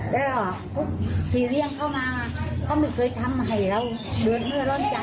แล้วก็พี่เลี้ยงเขามาเขาไม่เคยทำให้เราเดือดเลือดร้อนใจ